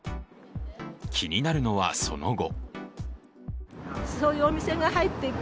気になるのは、その後。